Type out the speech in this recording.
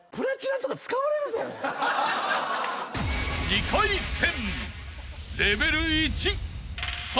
［２回戦］